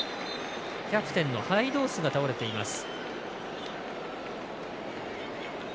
キャプテンのハイドースが倒れています。